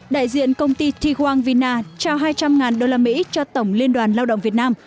đại diện công ty tiguang vina trao hai trăm linh usd cho tổng liên đoàn lao động việt nam